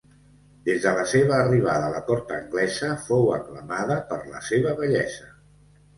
Des de la seva arribada a la cort anglesa fou aclamada per la seva bellesa.